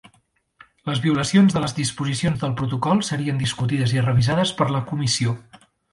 Les violacions de les disposicions del protocol serien discutides i revisades per la comissió.